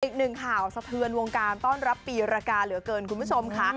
อีกหนึ่งข่าวสะเทือนวงการต้อนรับปีรากาเหลือเกินคุณผู้ชมค่ะ